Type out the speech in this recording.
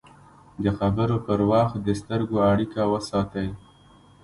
د خبرو پر وخت د سترګو اړیکه وساتئ